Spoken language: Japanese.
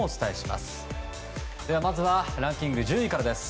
まずはランキング１０位からです。